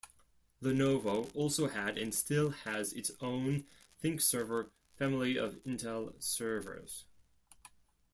Lenovo also had and still has its own ThinkServer family of Intel servers.